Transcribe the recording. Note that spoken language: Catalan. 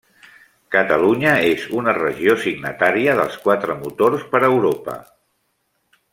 Catalunya és una regió signatària dels Quatre Motors per a Europa.